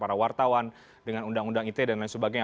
para wartawan dengan undang undang ite dan lain sebagainya